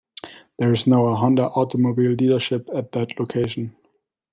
There is now a Honda automobile dealership at that location.